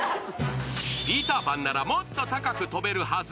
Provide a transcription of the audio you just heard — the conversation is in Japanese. ピーター・パンなら、もっと高く飛べるはず。